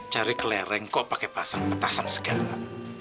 cari kelereng kok pakai pasang petasan segala